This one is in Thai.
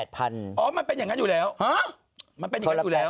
อ๋อมันเป็นอย่างงั้นอยู่แล้ว